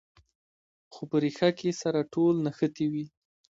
خو په ریښه کې سره ټول نښتي وي.